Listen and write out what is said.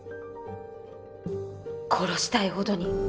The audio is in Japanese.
殺したいほどに。